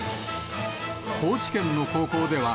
高知県の高校では、